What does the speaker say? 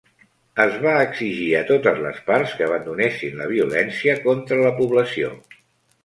Es va exigir a totes les parts que abandonessin la violència contra la població.